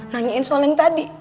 nanyain soal yang tadi